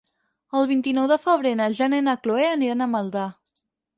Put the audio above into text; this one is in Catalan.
El vint-i-nou de febrer na Jana i na Chloé aniran a Maldà.